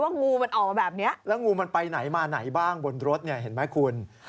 งูมันออกมาแบบนี้แล้วงูมันไปไหนมาไหนบ้างบนรถเนี่ยเห็นไหมคุณ